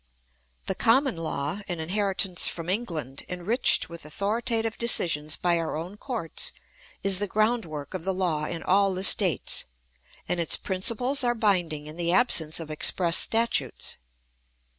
The Common Law, an inheritance from England, enriched with authoritative decisions by our own courts, is the groundwork of the law in all the States, and its principles are binding in the absence of express statutes.